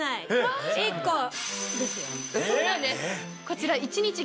こちら。